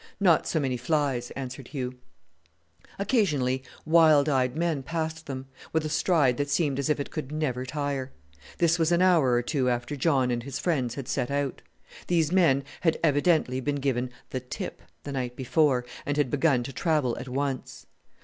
"Not so many flies," answered Hugh. Occasionally wild eyed men passed them, with a stride that seemed as if it could never tire. This was an hour or two after John and his friends had set out. These men had evidently been given "the tip" the night before, and had begun to travel at once.